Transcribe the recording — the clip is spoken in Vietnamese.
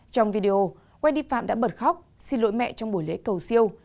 trong video quay đi phạm đã bật khóc xin lỗi mẹ trong buổi lễ cầu siêu